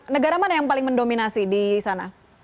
negara mana yang paling mendominasi di sana